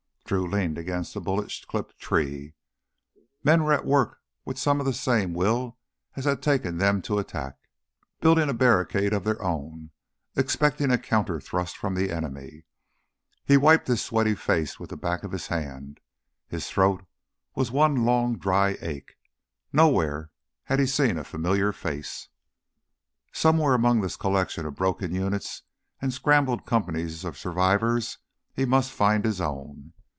Drew leaned against a bullet clipped tree. Men were at work with some of the same will as had taken them to attack, building a barricade of their own, expecting a counterthrust from the enemy. He wiped his sweaty face with the back of his hand. His throat was one long dry ache; nowhere had he seen a familiar face. Somewhere among this collection of broken units and scrambled companies of survivors he must find his own.